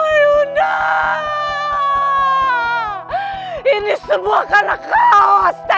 jangan tinggalkan aku yunda